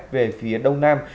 về phía đông nam